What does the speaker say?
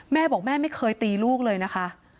แม่บอกแม่ไม่เคยตีลูกเลยนะคะ